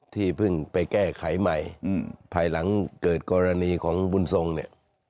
ที่เพิ่งไปแก้ไขใหม่ภายหลังเกิดกรณีของบุญทรงเนี่ย